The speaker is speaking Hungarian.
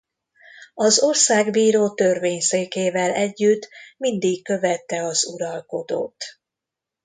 Az országbíró törvényszékével együtt mindig követte az uralkodót.